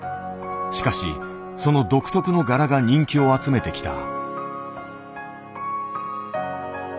しかしその独特の柄が人気を集めてきた。